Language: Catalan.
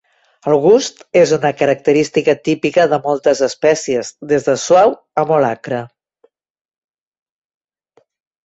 El gust és una característica típica de moltes espècies, des de suau a molt acre.